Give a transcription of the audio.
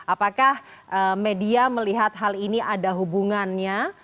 apakah media melihat hal ini ada hubungannya